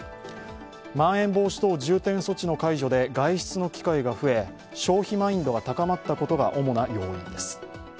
まん延防止等重点措置の解除で外出の機会が増え、消費マインドが高まったことが主な要因です。